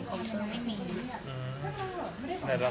คนเธอไม่มี